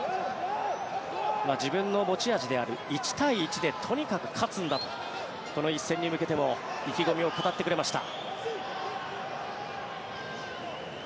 自分の持ち味である１対１でとにかく勝つんだとこの一戦に向けても意気込みを語ってくれました。